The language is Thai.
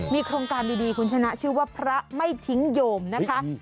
มีโครงการดีคุณชนะชื่อว่าพระไม่ทิ้งโยมนะคะ